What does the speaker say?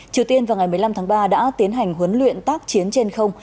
triều tiên vào ngày một mươi năm tháng ba đã tiến hành huấn luyện tác chiến trên không